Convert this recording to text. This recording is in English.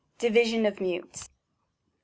DivisioiT OF Mutes. 1.